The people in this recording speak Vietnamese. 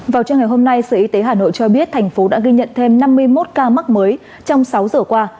vào trưa ngày hôm nay sở y tế hà nội cho biết thành phố đã ghi nhận thêm năm mươi một ca mắc mới trong sáu giờ qua